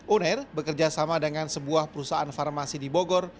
uner bekerja sama dengan sebuah perusahaan farmasi di bogor